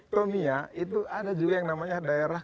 tomia itu ada juga yang namanya daerah